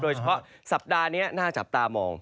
โดยเฉพาะสัปดาห์นี้หน้าสัปดาห์มอง